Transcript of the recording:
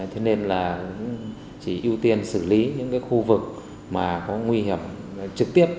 thế nên là chỉ ưu tiên xử lý những khu vực mà có nguy hiểm trực tiếp